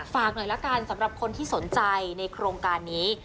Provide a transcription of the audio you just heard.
ฝากหน่อยละกันสำหรับคนที่สนใจในโครงการนี้